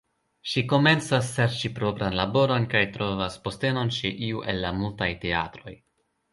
Ŝi komencas serĉi propran laboron kaj trovas postenon ĉe iu el la multaj teatroj.